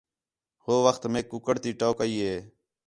ہو وخت میک کُکڑ تی ٹوک ای ہے